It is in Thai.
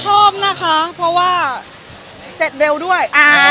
ชอบนะคะเพราะว่าเสร็จเร็วด้วย